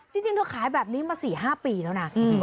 จริงเธอขายแบบนี้มา๔๕ปีแล้วนะ